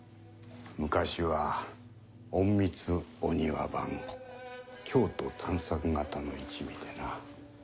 昔は隠密御庭番京都探索方の一味でな。